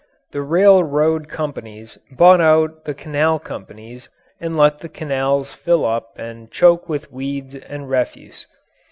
The railroad companies bought out the canal companies and let the canals fill up and choke with weeds and refuse.